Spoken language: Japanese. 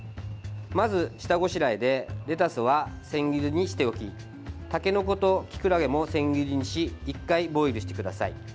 まず下ごしらえでレタスは千切りにしておきたけのこときくらげも千切りにし１回ボイルしてください。